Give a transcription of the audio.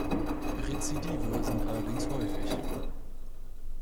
Rezidive sind allerdings häufig.